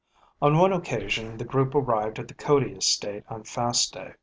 On one occasion the group arrived at the Cody estate on fast day.